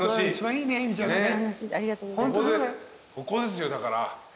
ここですよだから。